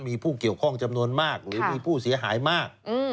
มีผู้เกี่ยวข้องจำนวนมากหรือมีผู้เสียหายมาก